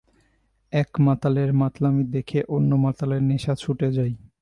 এক মাতালের মাৎলামি দেখে অন্য মাতালের নেশা ছুটে যায়।